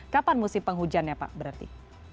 kapan musim penghujannya pak berarti